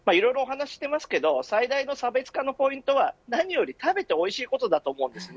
最大の差別化のポイントは何より食べておいしいことだと思います。